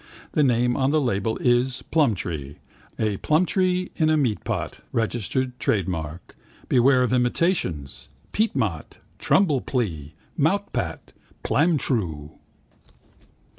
The name on the label is Plumtree. A plumtree in a meatpot, registered trade mark. Beware of imitations. Peatmot. Trumplee. Moutpat. Plamtroo.